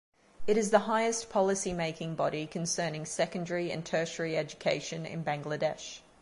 It is the highest policy making body concerning Secondary and Tertiary education in Bangladesh.